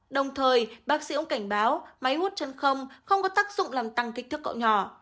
đồng thời bác sĩ cũng cảnh báo máy hút chân không có tác dụng làm tăng kích thước cậu nhỏ